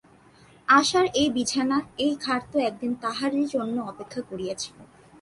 আশার এই বিছানা, এই খাট তো একদিন তাহারই জন্য অপেক্ষা করিয়া ছিল।